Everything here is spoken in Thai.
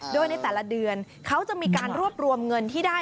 โดยในแต่ละเดือนเขาจะมีการรวบรวมเงินที่ได้